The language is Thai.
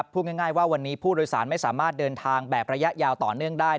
พูดง่ายว่าวันนี้ผู้โดยสารไม่สามารถเดินทางแบบระยะยาวต่อเนื่องได้